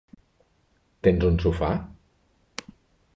Tens un sofà?